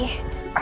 iya itu ricky